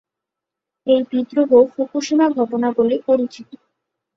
এই বিদ্রোহ ফুকুশিমা ঘটনা বলে পরিচিত।